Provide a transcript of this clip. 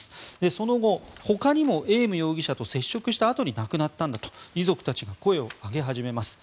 その後、ほかにもエーム容疑者と接触したあとに亡くなったんだと遺族たちが声を上げ始めます。